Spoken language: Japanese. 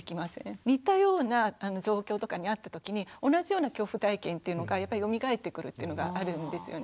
似たような状況とかにあった時に同じような恐怖体験っていうのがよみがえってくるっていうのがあるんですよね。